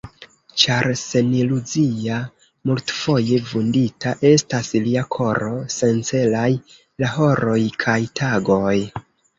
Ĉar seniluzia, multfoje vundita estas lia koro, sencelaj la horoj kaj tagoj.